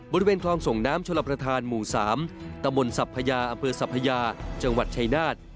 บริเวณคลองส่งน้ำชลประธานหมู่๓ตมสับพยาอสับพยาจังหวัดชัยนาศ